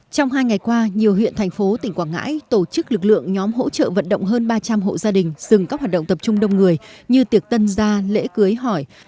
trong hai ngày qua nhiều huyện thành phố tỉnh quảng ngãi tổ chức lực lượng nhóm hỗ trợ vận động hơn ba trăm linh hộ gia đình dừng các hoạt động tập trung đông người như tiệc tân gia lễ cưới hỏi